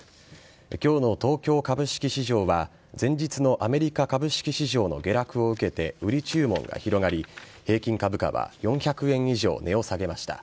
今日の東京株式市場は前日のアメリカ株式市場の下落を受けて売り注文が広がり平均株価は４００円以上、値を下げました。